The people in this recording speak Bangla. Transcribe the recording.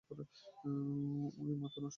ওউ, মাথা নষ্ট কারবার।